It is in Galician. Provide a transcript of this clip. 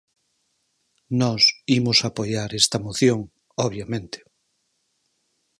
Nós imos apoiar esta moción, obviamente.